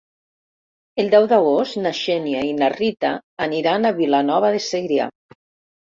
El deu d'agost na Xènia i na Rita aniran a Vilanova de Segrià.